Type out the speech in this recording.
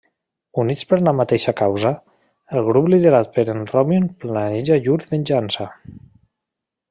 Units per la mateixa causa, el grup liderat per en Robin planeja llur venjança.